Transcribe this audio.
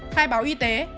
khai báo y tế